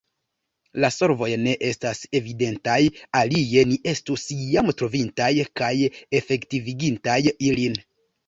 La solvoj ne estas evidentaj, alie ni estus jam trovintaj kaj efektivigintaj ilin.